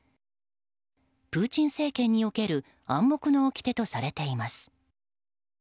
プーチン政権における暗黙のおきてとされています。